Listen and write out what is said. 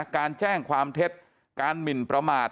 การแจ้งความเท็จการหมินประมาท